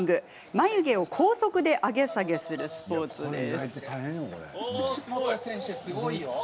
眉毛を高速で上げ下げするスポーツです。